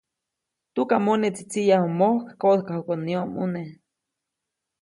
Tukamoneʼtsi tsiʼyaju mojk koʼdäjkajuʼk ʼäj nyomʼune.